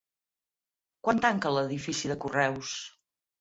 Quan tanca l'edifici de correus?